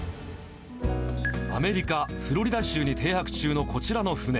アメリカ・フロリダ州に停泊中のこちらの船。